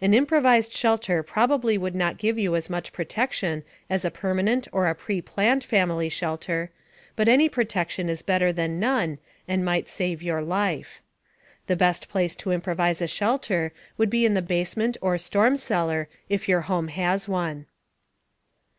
An improvised shelter probably would not give you as much protection as a permanent or a preplanned family shelter, but any protection is better than none, and might save your life. The best place to improvise a shelter would be the basement or storm cellar, if your home has one.